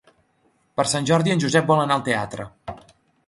Per Sant Jordi en Josep vol anar al teatre.